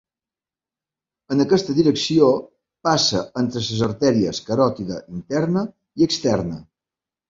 En aquesta direcció passa entre les artèries caròtide interna i externa.